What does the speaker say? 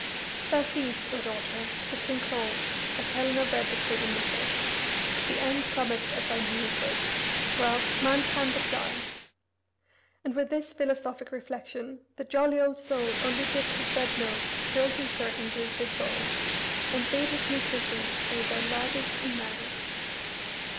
"Thou seest, O daughter," said King Coel as Helena read the craven missive, "the end cometh as I knew it would. Well, man can but die." And with this philosophic reflection the "jolly old soul" only dipped his red nose still deeper into his big bowl, and bade his musicians play their loudest and merriest.